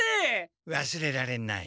わすれられない！